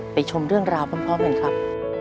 ชมเรื่องราวพร้อมกันครับ